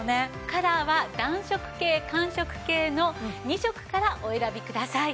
カラーは暖色系寒色系の２色からお選びください。